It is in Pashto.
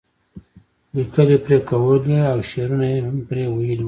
لیکل یې پرې کولی او شعرونه یې هم پرې ویلي وو.